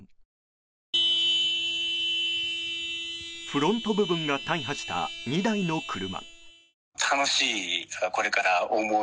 フロント部分が大破した２台の車。